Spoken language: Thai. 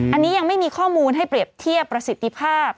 อันนี้ยังไม่มีข้อมูลให้เปรียบเทียบประสิทธิภาพ